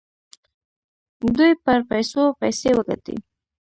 دوی پر پیسو پیسې وګټي.